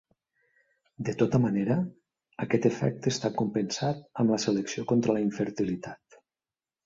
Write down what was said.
De tota manera, aquest efecte està compensat amb la selecció contra la infertilitat.